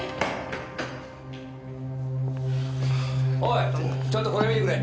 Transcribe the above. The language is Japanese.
おいちょっとこれ見てくれ。